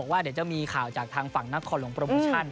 ว่าเดี๋ยวจะมีข่าวจากทางฝั่งนครหลวงโปรโมชั่น